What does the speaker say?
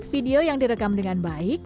video yang direkam dengan baik